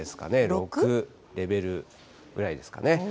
６、レベルぐらいですかね。